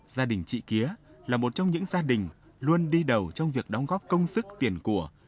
gia đình chị kýa là một trong những gia đình luôn đi đầu trong việc đóng góp công sức tiền của